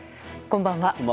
こんばんは。